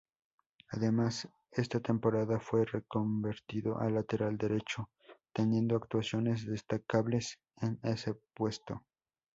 Además, esta temporada fue reconvertido a lateral derecho, teniendo actuaciones destacables en ese puesto.